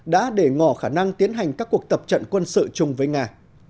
có khả năng tiến hành các cuộc tập trận quân sự chung với nga